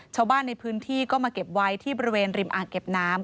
ชาวบ้านในพื้นที่ก็มาเก็บไว้ที่บริเวณริมอ่างเก็บน้ำ